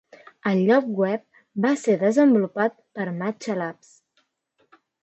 El lloc web va ser desenvolupat per Matcha Labs.